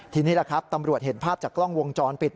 ทีนี้แหละครับตำรวจเห็นภาพจากกล้องวงจรปิด